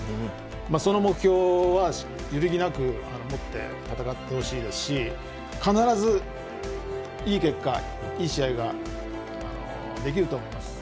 その目標は揺るぎなく持って戦ってほしいですし必ずいい結果いい試合ができると思います。